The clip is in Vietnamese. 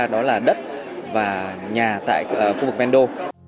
đó là đất và nhà tại khu vực vendô